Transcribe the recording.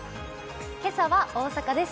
今朝は大阪です。